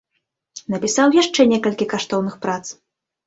Напісаў яшчэ некалькі каштоўных прац.